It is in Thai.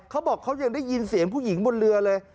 เขาบอกเขายังได้ยินเสียงผู้หญิงบนเรือเลย